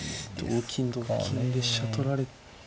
同金同金で飛車取られ。